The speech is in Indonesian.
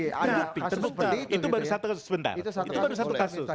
terbukti terbukti itu baru satu kasus